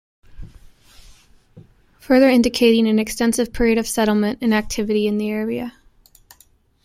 Further indicating an extensive period of settlement and activity in the area.